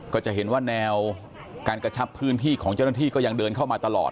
ก็จะเห็นว่าแนวการกระชับพื้นที่ของเจ้าหน้าที่ก็ยังเดินเข้ามาตลอด